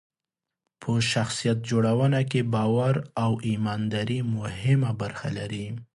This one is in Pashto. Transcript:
په شخصیت جوړونه کې باور او ایمانداري مهمه برخه لري.